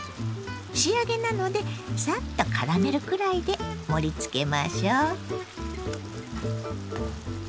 仕上げなのでさっとからめるくらいで盛りつけましょう。